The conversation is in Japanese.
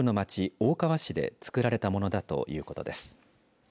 大川市で作られたものだということです。